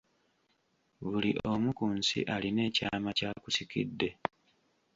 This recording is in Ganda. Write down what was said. Buli omu ku nsi alina ekyama ky'akusikidde.